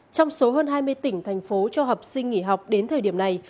trong số hơn hai mươi tỉnh thành phố cho học sinh nghỉ học đến thời điểm này